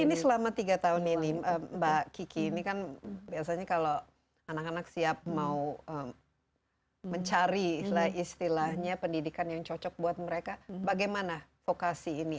jadi selama tiga tahun ini mbak kiki ini kan biasanya kalau anak anak siap mau mencari istilahnya pendidikan yang cocok buat mereka bagaimana vokasi ini